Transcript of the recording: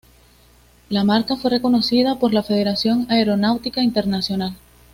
La marca fue reconocida por la Federación Aeronáutica Internacional.